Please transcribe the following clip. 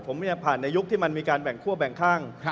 ผมผ่านในยุคที่มันมีการแบ่งคั่วแบ่งข้าง